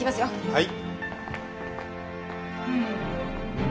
はい。